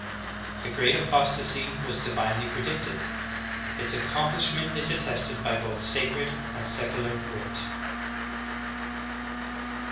30. The great apostasy was divinely predicted; its accom plishment is attested by both sacred and secular ztrit.